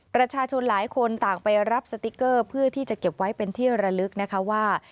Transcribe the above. ประชาชนหลายคนต่างไปรับสติ๊กเกอร์เพื่อที่จะเก็บไว้เป็นที่ระลึกนะคะว่า